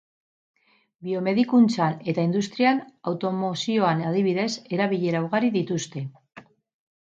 Biomedikuntzan eta industrian, automozioan adibidez, erabilera ugari dituzte.